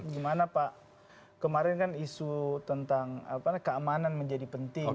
gimana pak kemarin kan isu tentang keamanan menjadi penting